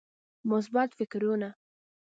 مثبت فکرونه